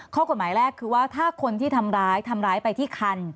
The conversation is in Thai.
ข้อกฎหมายแรกคือว่าถ้าคนที่ทำร้ายทำร้ายไปที่คัน